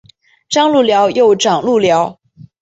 张路寮又掌路寮。